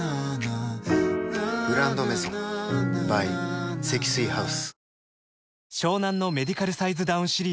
「グランドメゾン」ｂｙ 積水ハウス